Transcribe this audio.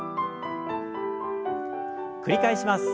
繰り返します。